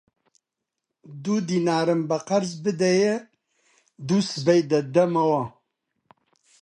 دوو دینارم بە قەرز بدەیە، دووسبەی دەتدەمەوە